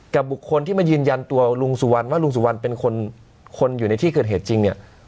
บุคคลที่มายืนยันตัวลุงสุวรรณว่าลุงสุวรรณเป็นคนอยู่ในที่เกิดเหตุจริงเนี่ย